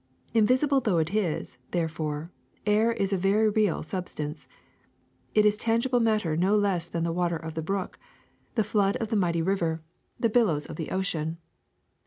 "Invisible though it is, therefore, air is a very real substance ; it is tangible matter no less than the water of the brook, the flood of the mighty river, the billows 394i THE SECRET OF EVERYDAY THINGS of the ocean.